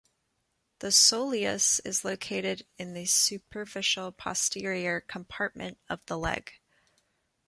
The soleus is located in the superficial posterior compartment of the leg.